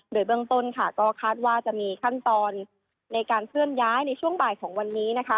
โดยเบื้องต้นก็คาดว่าจะมีขั้นตอนในการเคลื่อนย้ายในช่วงบ่ายของวันนี้นะคะ